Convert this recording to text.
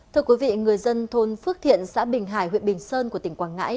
thưa quý vị người dân thôn phước thiện xã bình hải huyện bình sơn của tỉnh quảng ngãi